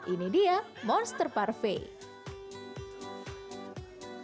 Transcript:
ini dia monster parfait